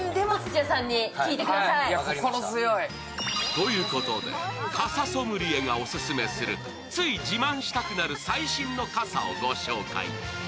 ということで傘ソムリエがオススメするつい自慢したくなる最新の傘をご紹介。